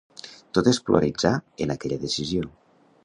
Tot es polaritzà en aquella decisió.